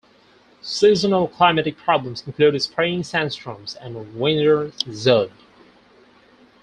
Seasonal climatic problems include spring sandstorms and winter zud.